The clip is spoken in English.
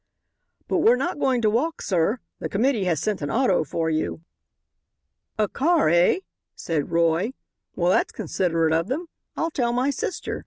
"But we're not going to walk, sir. The committee has sent an auto for you." "A car, eh?" said Roy; "well, that's considerate of them. I'll tell my sister.